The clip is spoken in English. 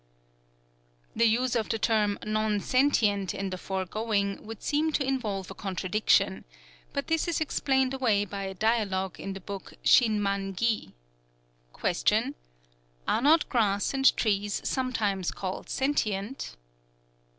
The use of the term "non sentient" in the foregoing would seem to involve a contradiction; but this is explained away by a dialogue in the book Shi man gi: Q. Are not grass and trees sometimes called sentient?